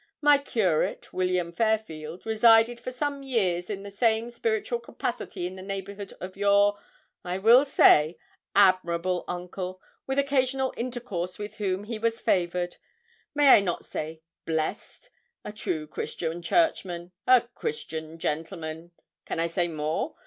My curate, William Fairfield, resided for some years in the same spiritual capacity in the neighbourhood of your, I will say, admirable uncle, with occasional intercourse with whom he was favoured may I not say blessed? a true Christian Churchman a Christian gentleman. Can I say more?